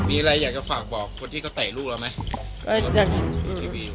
มีอะไรอยากจะฝากบอกคนที่เขาเตะลูกแล้วไหม